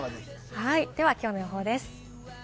では今日の予報です。